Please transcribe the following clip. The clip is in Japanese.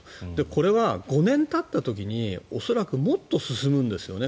これは５年たった時に恐らくもっと進むんですよね。